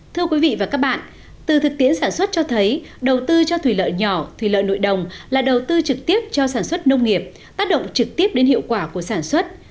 thưa quý vị và các bạn từ thực tiễn sản xuất cho thấy đầu tư cho thủy lợi nhỏ thủy lợi nội đồng là đầu tư trực tiếp cho sản xuất nông nghiệp tác động trực tiếp đến hiệu quả của sản xuất